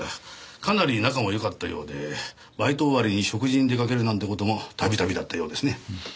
かなり仲もよかったようでバイト終わりに食事に出かけるなんて事も度々だったようですね。